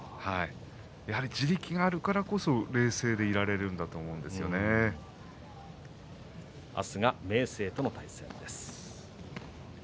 やはり地力があるからこそ冷静でいられるんだと明日は明生との対戦です。